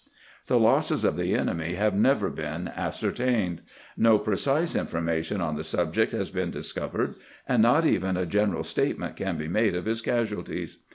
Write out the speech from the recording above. The losses of the enemy have never been ascertained. No precise information on the subject has been discovered, and not even a general statement can be made of his casualties.